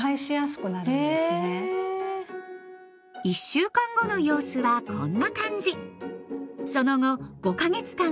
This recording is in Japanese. １週間後の様子はこんな感じ。